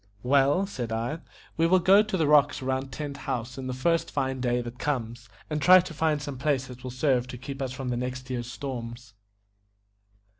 "Well," said I, "we will go to the rocks round Tent House the first fine day that comes, and try to find some place that will serve to keep us from the next year's storms."